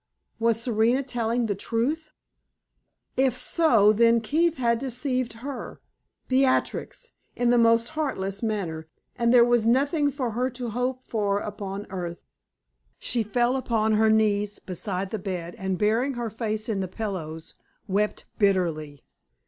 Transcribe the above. Was Serena telling the truth? If so, then Keith had deceived her Beatrix in the most heartless manner; and there was nothing for her to hope for upon earth. She fell upon her knees beside the bed and burying her face in the pillows, wept bitterly.